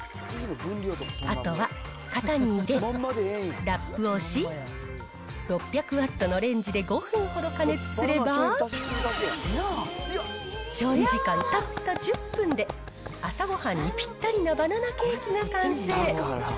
あとは型に入れ、ラップをし、６００ワットのレンジで５分ほど加熱すれば、調理時間たった１０分で、朝ごはんにぴったりなバナナケーキが完成。